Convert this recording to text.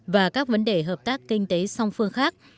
và các vấn đề hợp tác kinh tế song phương khác